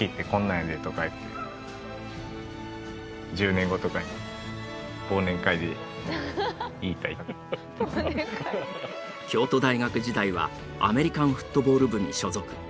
何かこう京都大学時代はアメリカンフットボール部に所属。